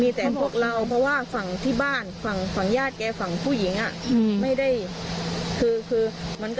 เพราะว่าฝั่งที่บ้านฝั่งญาติแกฝั่งผู้หญิงไม่ได้